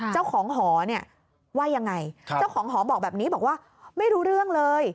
เจ้าของหอเนี่ยว่ายังไงเจ้าของหอบอกแบบนี้บอกว่าไม่รู้เรื่องเลย